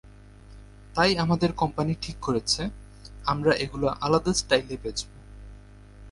তাই আমাদের কোম্পানি ঠিক করেছে, আমরা এগুলো আলাদা স্টাইলে বেচবো।